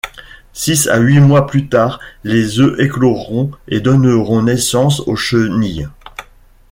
Six à huit mois plus tard, les œufs écloront et donneront naissance aux chenilles.